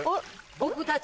僕たち。